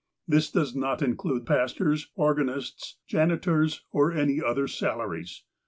This does not include pastor's, organist's, janitor's, or any other salaries.